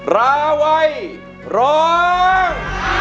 ร้าไว้ร้อง